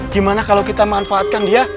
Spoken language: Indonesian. gimana kalau kita manfaatkan dia